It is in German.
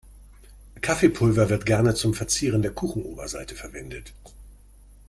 Kaffeepulver wird gerne zum Verzieren der Kuchenoberseite verwendet.